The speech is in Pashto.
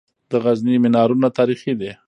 د غزني منارونه تاریخي دي